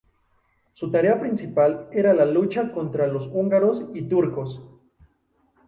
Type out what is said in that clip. Su tarea principal era la lucha contra los húngaros y turcos.